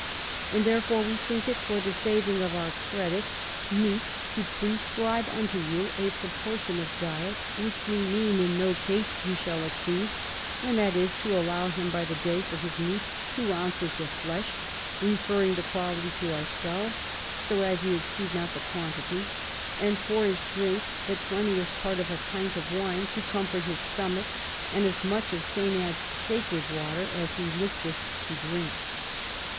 And therefore, we think it, for the saving of our credit, meet to prescribe unto you a proportion of diet which we mean in no case you shall exceed ; and that is, to allow him by the day for his meat two ounces of flesh, referring the quality to yourselves, so as you exceed not the quantity; and for his drink the twentieth part of a pint of wine to comfort his stomach, and as THE EXCOMMUNtCATlOl^ OF ELlZABETti, i6i much of St. Anne's sacred water as he listeth to drink.